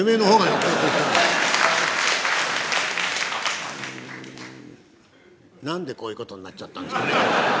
うん何でこういうことになっちゃったんでしょう。